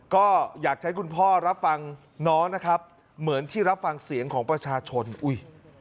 ก็อยากใช้คุณพ่อรับฟังน้องนะครับเหมือนที่รับฟังเสียงของประชาชนอุ้ย